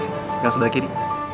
gak usah belakang kiri